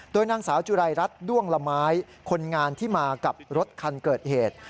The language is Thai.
โดยนางสาวจุรายรัฐด้วงละไม้คนงานที่มากับรถคันเกิดเหตุ